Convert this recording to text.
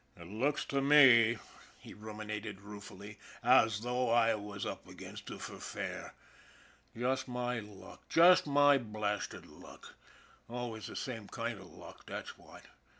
" It looks to me," he ruminated ruefully, " as though I was up against it for fair. Just my luck, just my blasted luck, always the same kind of luck, that's what.